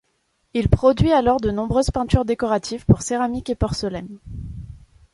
Il produit alors de nombreuses peintures décoratives pour céramique et porcelaine.